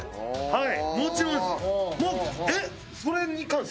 はい。